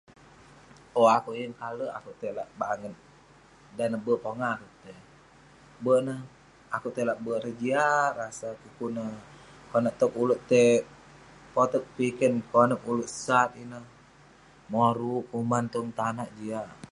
Owk akouk yeng kale' akouk tai lak banget. Dan neh be'ek pongah akouk tai. Be'ek ineh, akouk tai lak be'ek erei jiak rasa kik kuk neh Konak tog ulouk tai poteg piken konep ulouk sat ineh. Moruk, kuman tong tanak. Jiak.